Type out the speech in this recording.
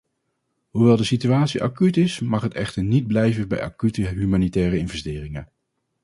Hoewel de situatie acuut is, mag het echter niet blijven bij acute humanitaire investeringen.